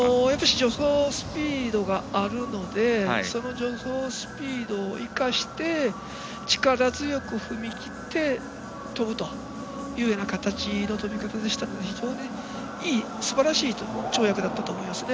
助走スピードがあるのでその助走スピードを生かして力強く踏み切って跳ぶというような形の跳び方でしたので非常にすばらしい跳躍だったと思いますね。